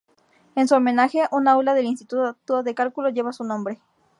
En su homenaje, un aula del Instituto de Cálculo lleva su nombre.